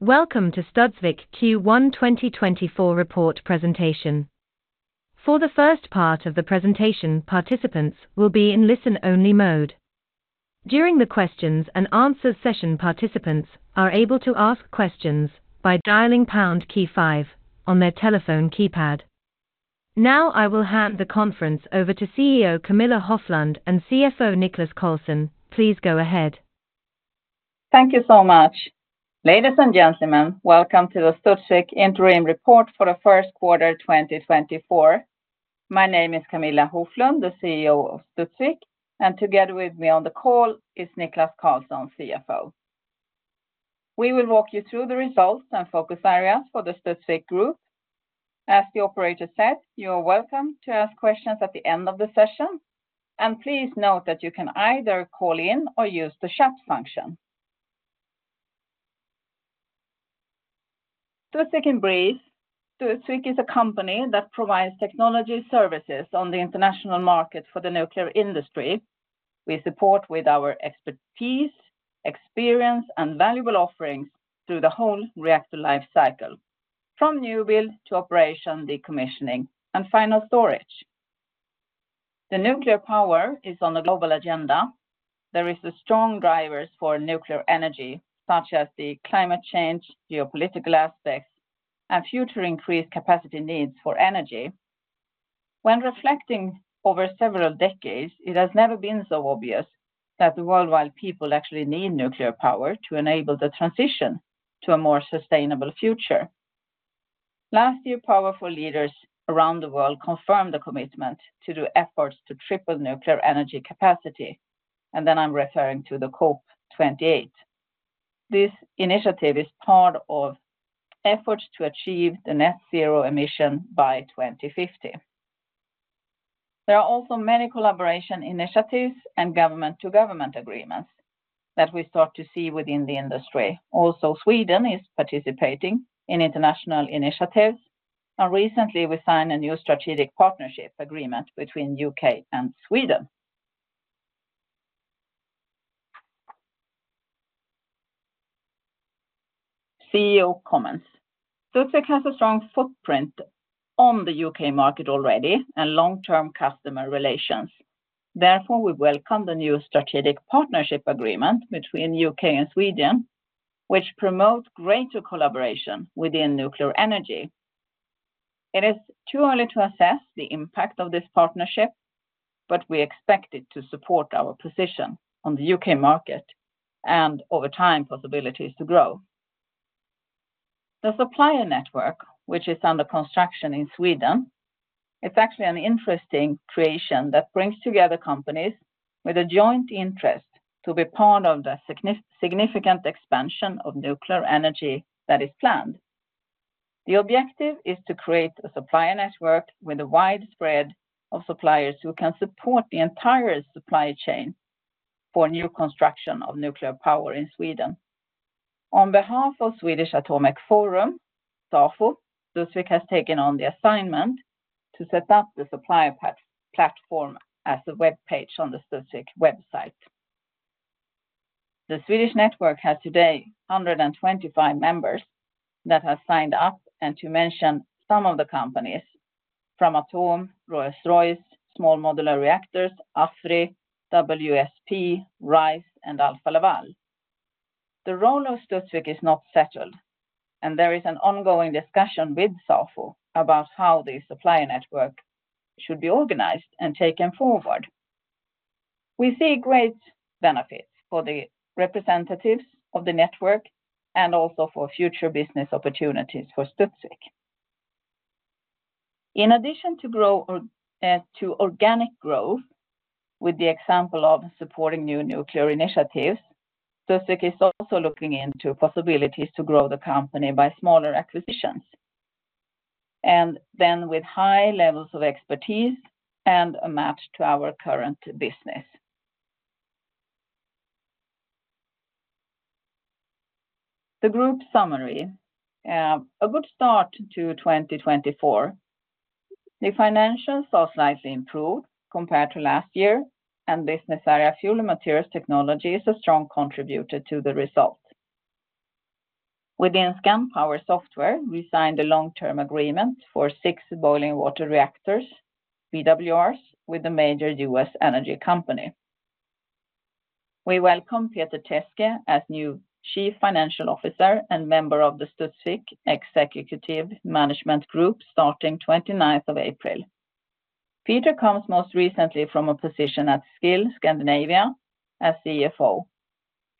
Welcome to Studsvik Q1 2024 Report Presentation. For the first part of the presentation, participants will be in listen-only mode. During the question-and-answer session, participants are able to ask questions by dialing pound key five on their telephone keypad. Now, I will hand the conference over to CEO Camilla Hoflund and CFO Niklas Karlsson. Please go ahead. Thank you so much. Ladies and gentlemen, welcome to the Studsvik interim report for the first quarter, 2024. My name is Camilla Hoflund, the CEO of Studsvik, and together with me on the call is Niklas Karlsson, CFO. We will walk you through the results and focus areas for the Studsvik Group. As the operator said, you are welcome to ask questions at the end of the session, and please note that you can either call in or use the chat function. Studsvik in brief. Studsvik is a company that provides technology services on the international market for the nuclear industry. We support with our expertise, experience, and valuable offerings through the whole reactor lifecycle, from new build to operation, decommissioning and final storage. Nuclear power is on the global agenda. There is a strong driver for nuclear energy, such as climate change, geopolitical aspects, and future increased capacity needs for energy. When reflecting over several decades, it has never been so obvious that the worldwide people actually need nuclear power to enable the transition to a more sustainable future. Last year, powerful leaders around the world confirmed their commitment to the efforts to triple nuclear energy capacity, and then I'm referring to the COP28. This initiative is part of efforts to achieve the net zero emission by 2050. There are also many collaboration initiatives and government-to-government agreements that we start to see within the industry. Also, Sweden is participating in international initiatives, and recently we signed a new strategic partnership agreement between U.K. and Sweden. CEO comments. Studsvik has a strong footprint on the U.K. market already and long-term customer relations. Therefore, we welcome the new strategic partnership agreement between U.K. and Sweden, which promotes greater collaboration within nuclear energy. It is too early to assess the impact of this partnership, but we expect it to support our position on the UK market and, over time, possibilities to grow. The supplier network, which is under construction in Sweden. It's actually an interesting creation that brings together companies with a joint interest to be part of the significant expansion of nuclear energy that is planned. The objective is to create a supplier network with a widespread of suppliers who can support the entire supply chain for the new construction of nuclear power in Sweden. On behalf of Swedish Atomic Forum, SAFO, Studsvik has taken on the assignment to set up the supplier platform as a web page on the Studsvik website. The Swedish network has today 125 members that have signed up, and to mention some of the companies, Framatome, Rolls-Royce SMR, AFRY, WSP, RISE, and Alfa Laval. The role of Studsvik is not settled, and there is an ongoing discussion with SAFO about how the supplier network should be organized and taken forward. We see great benefits for the representatives of the network and also for future business opportunities for Studsvik. In addition to grow, to organic growth, with the example of supporting new nuclear initiatives, Studsvik is also looking into possibilities to grow the company by smaller acquisitions, and then with high levels of expertise and a match to our current business. The group summary. A good start to 2024. The financials are slightly improved compared to last year, and business area fuel materials technology is a strong contributor to the result. Within Studsvik Scandpower, we signed a long-term agreement for 6 boiling water reactors (BWRs), with a major U.S. energy company. We welcome Peter Teske as the new Chief Financial Officer and member of the Studsvik Executive Management Group starting 29th of April. Peter comes most recently from a position at Skill Scandinavia as CFO.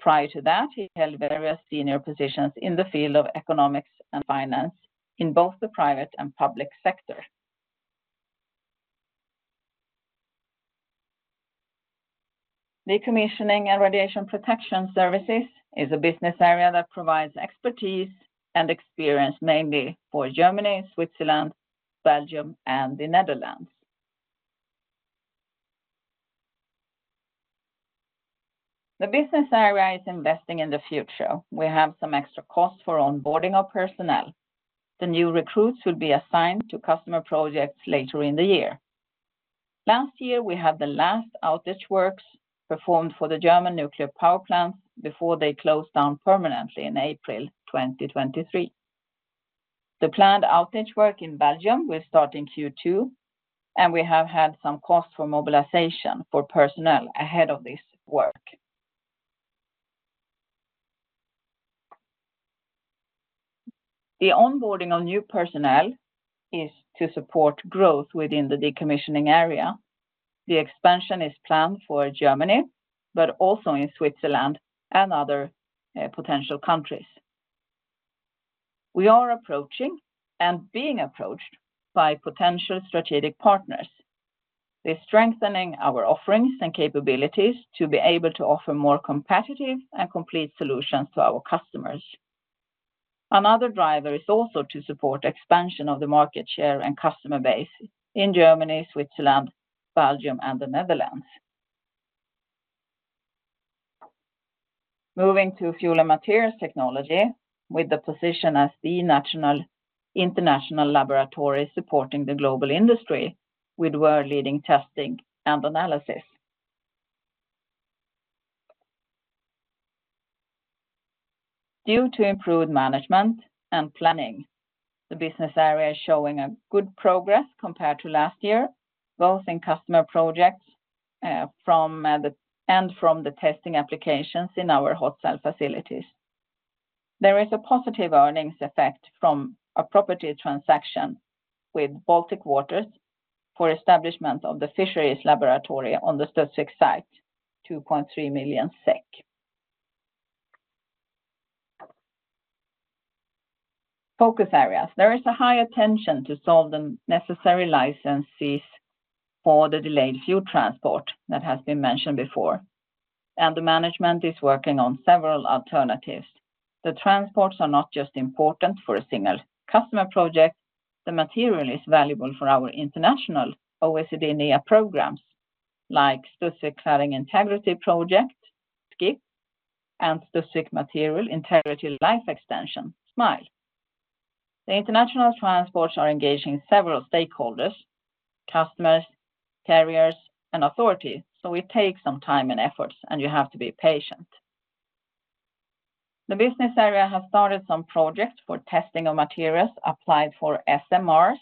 Prior to that, he held various senior positions in the field of economics and finance in both the private and public sector. Decommissioning and Radiation Protection Services is a business area that provides expertise and experience, mainly for Germany, Switzerland, Belgium, and the Netherlands. The business area is investing in the future. We have some extra costs for onboarding our personnel. The new recruits will be assigned to customer projects later in the year. Last year, we had the last outage works performed for the German nuclear power plants before they closed down permanently in April 2023. The planned outage work in Belgium will start in Q2, and we have had some costs for mobilization for personnel ahead of this work. The onboarding of new personnel is to support growth within the decommissioning area. The expansion is planned for Germany, but also in Switzerland and other potential countries. We are approaching and being approached by potential strategic partners. They're strengthening our offerings and capabilities to be able to offer more competitive and complete solutions to our customers. Another driver is also to support expansion of the market share and customer base in Germany, Switzerland, Belgium, and the Netherlands. Moving to Fuel and Materials Technology, with the position as the international laboratory supporting the global industry with world-leading testing and analysis. Due to improved management and planning, the business area is showing a good progress compared to last year, both in customer projects and from the testing applications in our hot cell facilities. There is a positive earnings effect from a property transaction with BalticWaters for establishment of the fisheries laboratory on the Studsvik site, 2.3 million SEK. Focus areas. There is a high attention to solve the necessary licenses for the delayed fuel transport that has been mentioned before, and the management is working on several alternatives. The transports are not just important for a single customer project, the material is valuable for our international OECD/NEA programs, like Studsvik Cladding Integrity Project, SCIP, and Studsvik Material Integrity Life Extension, SMILE. The international transports are engaging several stakeholders, customers, carriers, and authorities, so it takes some time and efforts, and you have to be patient. The business area has started some projects for testing of materials applied for SMRs,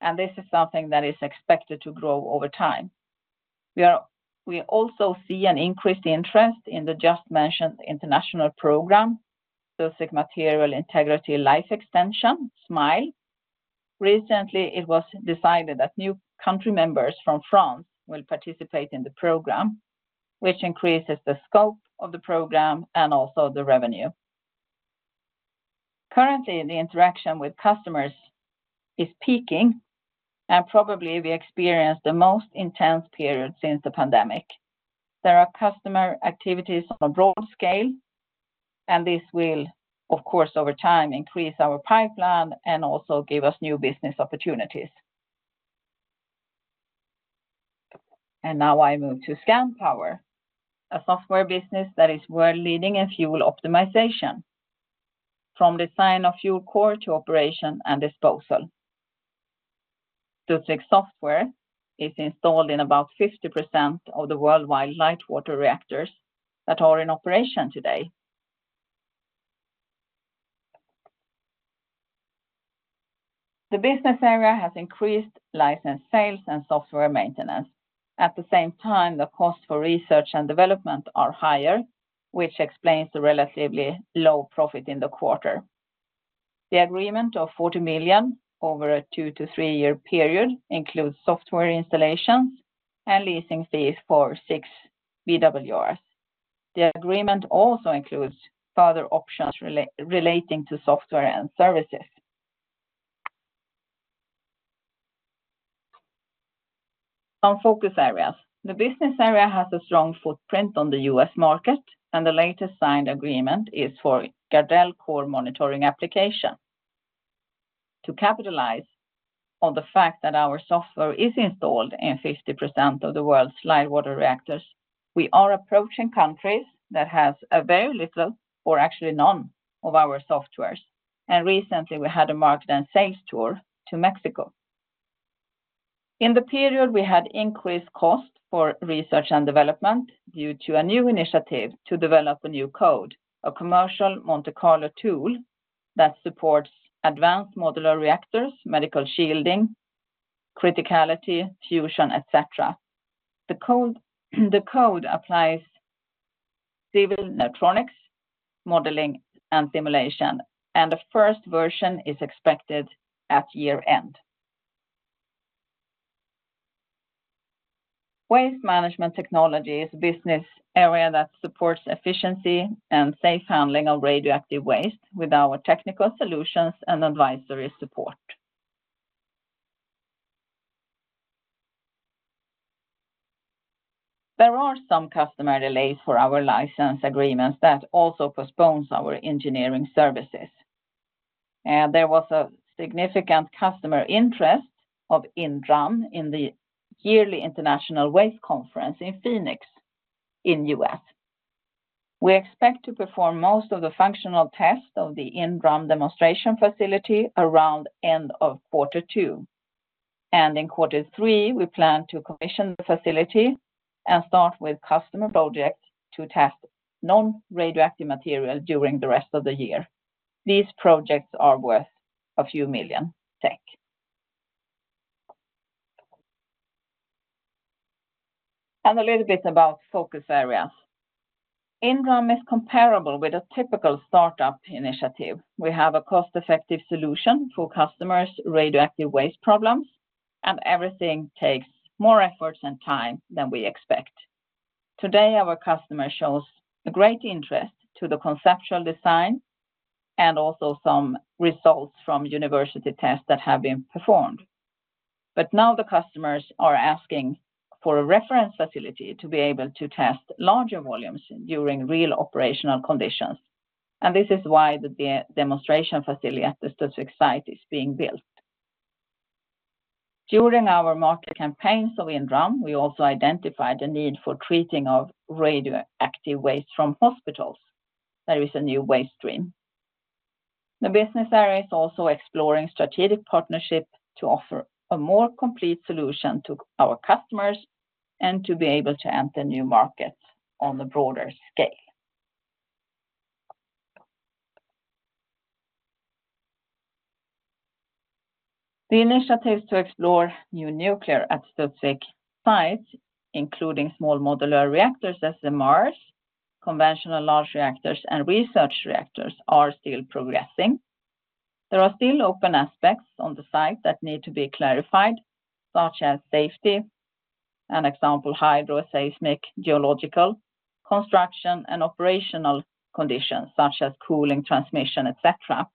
and this is something that is expected to grow over time. We also see an increased interest in the just mentioned international program, Studsvik Material Integrity Life Extension, SMILE. Recently, it was decided that new country members from France will participate in the program, which increases the scope of the program and also the revenue. Currently, the interaction with customers is peaking, and probably we experience the most intense period since the pandemic. There are customer activities on a broad scale, and this will, of course, over time, increase our pipeline and also give us new business opportunities. Now I move to Scandpower, a software business that is world-leading in fuel optimization, from design of fuel core to operation and disposal. Studsvik software is installed in about 50% of the worldwide light water reactors that are in operation today. The business area has increased license sales and software maintenance. At the same time, the cost for research and development are higher, which explains the relatively low profit in the quarter. The agreement of 40 million over a 2-3-year period includes software installations and leasing fees for 6 BWRs. The agreement also includes further options relating to software and services. Some focus areas. The business area has a strong footprint on the U.S. market, and the latest signed agreement is for GARDEL Core Monitoring Application. To capitalize on the fact that our software is installed in 50% of the world's light water reactors, we are approaching countries that have very little or actually none of our softwares, and recently, we had a market and sales tour to Mexico. In the period, we had increased cost for research and development due to a new initiative to develop a new code, a commercial Monte Carlo tool that supports advanced modular reactors, medical shielding, criticality, fusion, et cetera. The code applies civil electronics, modeling, and simulation, and the first version is expected at year-end. Waste Management Technology is a business area that supports efficiency and safe handling of radioactive waste with our technical solutions and advisory support. There are some customer delays for our license agreements that also postpones our engineering services. There was a significant customer interest of inDRUM in the yearly International Waste Conference in Phoenix, in the U.S. We expect to perform most of the functional tests of the inDRUM demonstration facility around end of quarter two, and in quarter three, we plan to commission the facility and start with customer projects to test non-radioactive material during the rest of the year. These projects are worth a few million SEK, thank. And a little bit about focus areas. inDRUM is comparable with a typical startup initiative. We have a cost-effective solution for customers' radioactive waste problems, and everything takes more efforts and time than we expect. Today, our customer shows a great interest to the conceptual design and also some results from university tests that have been performed. But now the customers are asking for a reference facility to be able to test larger volumes during real operational conditions, and this is why the demonstration facility at the Studsvik site is being built. During our market campaigns of inDRUM, we also identified the need for treating of radioactive waste from hospitals. That is a new waste stream. The business area is also exploring strategic partnership to offer a more complete solution to our customers and to be able to enter new markets on the broader scale. The initiatives to explore new nuclear at Studsvik sites, including small modular reactors, SMRs, conventional large reactors, and research reactors, are still progressing. There are still open aspects on the site that need to be clarified, such as safety, an example, hydro, seismic, geological, construction, and operational conditions such as cooling, transmission, et cetera.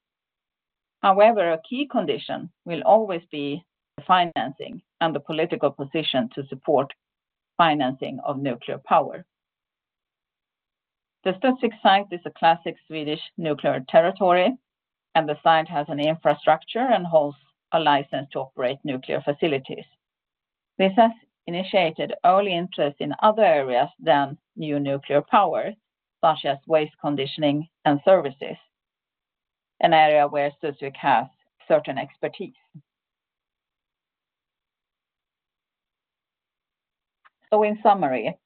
However, a key condition will always be the financing and the political position to support financing of nuclear power. The Studsvik site is a classic Swedish nuclear territory, and the site has an infrastructure and holds a license to operate nuclear facilities. This has initiated early interest in other areas than new nuclear power, such as waste conditioning and services, an area where Studsvik has certain expertise. So in summary,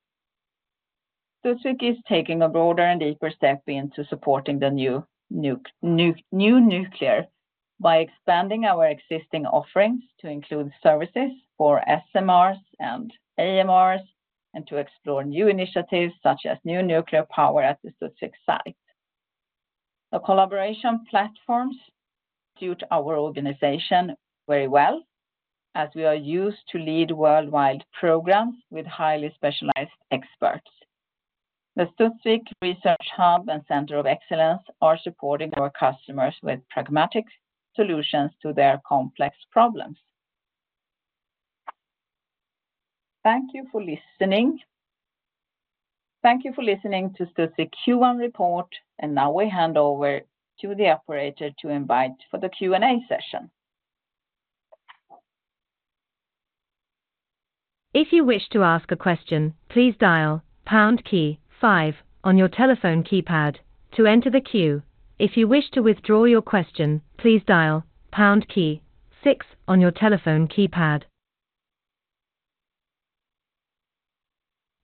Studsvik is taking a broader and deeper step into supporting the new nuclear by expanding our existing offerings to include services for SMRs and AMRs and to explore new initiatives such as new nuclear power at the Studsvik site. The collaboration platforms suit our organization very well, as we are used to lead worldwide programs with highly specialized experts. The Studsvik Research Hub and Center of Excellence are supporting our customers with pragmatic solutions to their complex problems. Thank you for listening. Thank you for listening to Studsvik Q1 report, and now we hand over to the operator to invite for the Q&A session. If you wish to ask a question, please dial pound key five on your telephone keypad to enter the queue. If you wish to withdraw your question, please dial pound key six on your telephone keypad.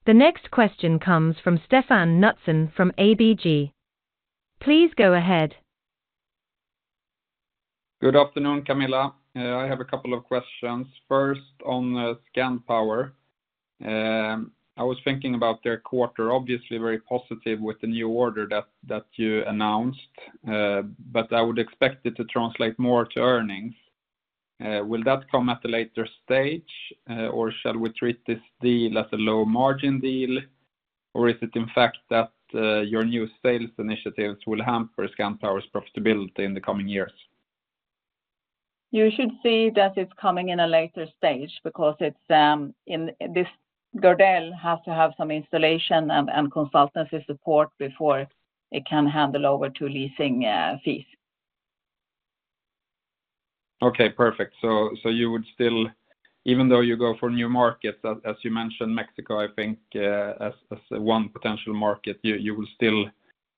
The next question comes from Stefan Knutsson from ABG. Please go ahead. Good afternoon, Camilla. I have a couple of questions. First, on Scandpower. I was thinking about their quarter, obviously very positive with the new order that you announced, but I would expect it to translate more to earnings. Will that come at a later stage, or shall we treat this deal as a low-margin deal? Or is it, in fact, that your new sales initiatives will hamper Scandpower's profitability in the coming years? You should see that it's coming in a later stage because it's in this. GARDEL has to have some installation and consultancy support before it can hand over to leasing fees. Okay, perfect. So you would still, even though you go for new markets, as you mentioned, Mexico, I think, as one potential market, you will still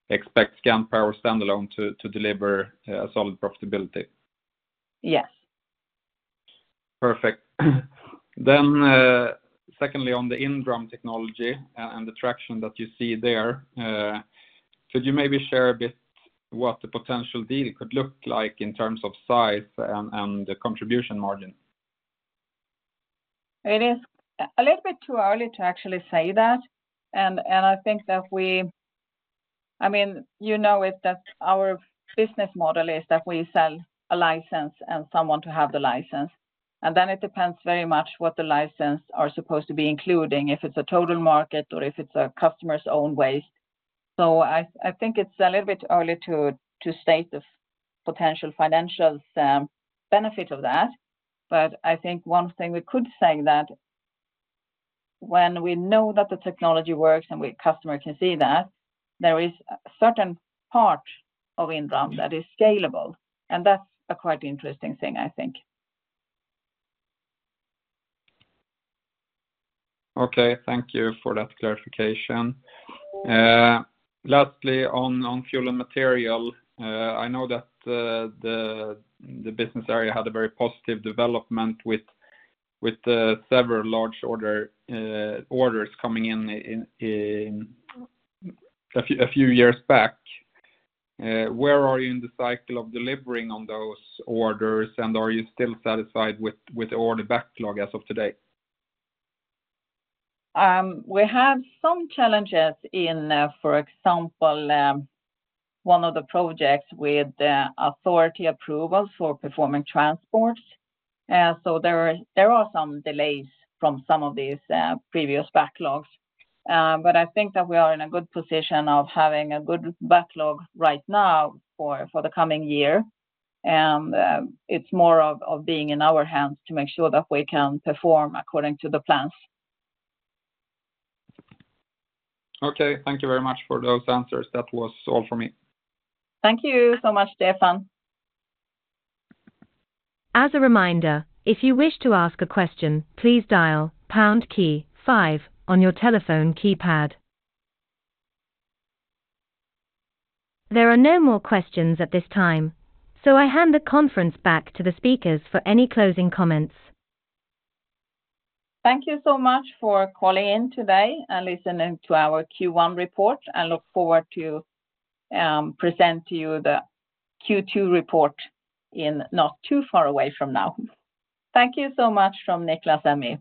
expect Scandpower standalone to deliver solid profitability? Yes. Perfect. Then, secondly, on the inDRUM technology, and the traction that you see there, could you maybe share a bit what the potential deal could look like in terms of size and the contribution margin? It is a little bit too early to actually say that our business model is that we sell a license and someone to have the license, and then it depends very much what the license are supposed to be including, if it's a total market or if it's a customer's own waste. So I think it's a little bit early to state the potential financial benefit of that, but I think one thing we could say that when we know that the technology works and customer can see that, there is a certain part of inDRUM that is scalable, and that's a quite interesting thing, I think. Okay, thank you for that clarification. Lastly, on fuel and material, I know that the business area had a very positive development with the several large orders coming in a few years back. Where are you in the cycle of delivering on those orders, and are you still satisfied with order backlog as of today? We have some challenges in, for example, one of the projects with the authority approval for performing transports. So there are some delays from some of these previous backlogs, but I think that we are in a good position of having a good backlog right now for the coming year. It's more of being in our hands to make sure that we can perform according to the plans. Okay, thank you very much for those answers. That was all for me. Thank you so much, Stefan. As a reminder, if you wish to ask a question, please dial pound key five on your telephone keypad. There are no more questions at this time, so I hand the conference back to the speakers for any closing comments. Thank you so much for calling in today and listening to our Q1 report. I look forward to present to you the Q2 report in not too far away from now. Thank you so much from Niklas and me.